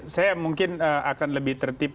saya mungkin akan lebih tertib